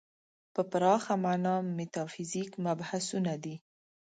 په پراخه معنا میتافیزیک مبحثونه دي.